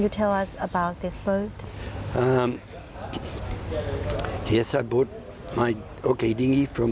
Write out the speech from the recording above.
ข้อมูลลูกเล่นรู้จักโอเคดิงกี้ไหนหรอ